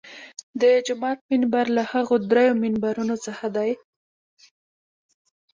د جومات منبر له هغو درېیو منبرونو څخه دی.